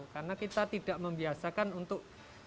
karena kita tidak membiasakan untuk